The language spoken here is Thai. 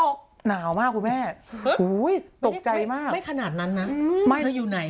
แบบมรสุมมาก่อนข้างหัน